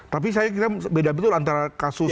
tapi saya kira beda betul antara kasus